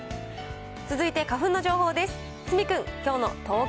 続いて花粉の情報です。